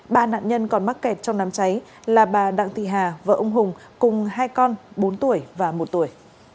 ba nạn nhân còn mắc kẹt trong đám cháy là bà đặng thị hà vợ ông hùng cùng hai con bốn tuổi và một tuổi